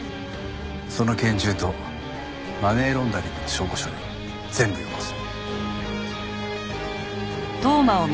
その拳銃とマネーロンダリングの証拠書類全部よこせ。